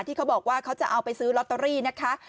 เขาบอกว่าเขาจะเอาไปซื้อลอตเตอรี่นะคะ